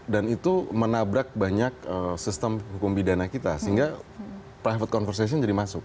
dan itu menabrak banyak sistem hukum pidana kita sehingga private conversation jadi masuk